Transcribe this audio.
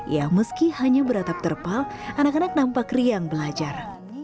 ya meski hanya beratap terpal anak anak nampak riang belajar